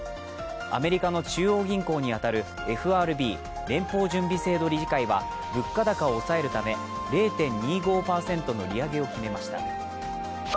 アメリカの中央銀行に当たるＦＲＢ＝連邦準備制度理事会は物価高を抑えるため０．２５％の利上げを決めました。